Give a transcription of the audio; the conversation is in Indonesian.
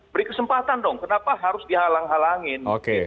beri kesempatan dong kenapa harus dihalang halangin